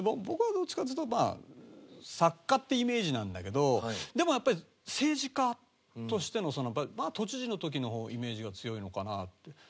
僕はどっちかっつうとまあ作家っていうイメージなんだけどでもやっぱり政治家としての都知事の時のイメージが強いのかなって。